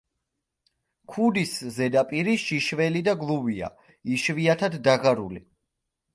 ქუდის ზედაპირი შიშველი და გლუვია, იშვიათად დაღარული.